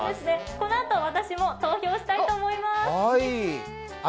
このあと、私も投票したいと思います。